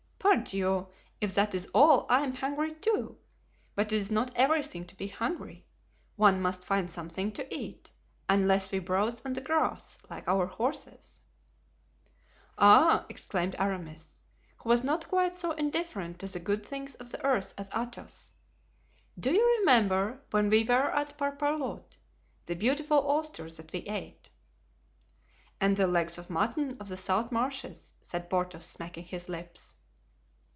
"Pardieu, if that is all, I am hungry, too; but it is not everything to be hungry, one must find something to eat, unless we browse on the grass, like our horses——" "Ah!" exclaimed Aramis, who was not quite so indifferent to the good things of the earth as Athos, "do you remember, when we were at Parpaillot, the beautiful oysters that we ate?" "And the legs of mutton of the salt marshes," said Porthos, smacking his lips.